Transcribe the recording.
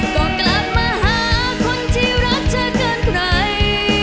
ก็กลับมาหาคนที่รักเธอเกินใคร